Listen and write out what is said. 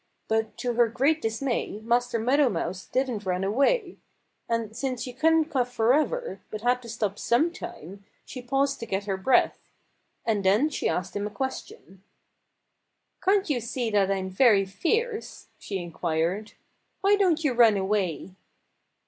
But to her great dismay Master Meadow Mouse didn't run away. And since she couldn't cough forever, but had to stop sometime, she paused to get her breath. And then she asked him a question. "Can't you see I'm very fierce?" she inquired. "Why don't you run away?"